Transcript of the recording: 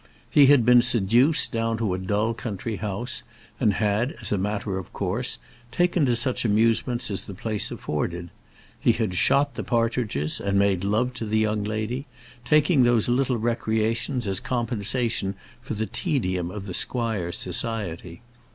He had been seduced down to a dull country house, and had, as a matter of course, taken to such amusements as the place afforded. He had shot the partridges and made love to the young lady, taking those little recreations as compensation for the tedium of the squire's society.